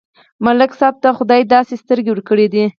ملک صاحب ته خدای داسې سترګې ورکړې دي،